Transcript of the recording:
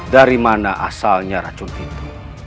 dari mana asalnya racun itu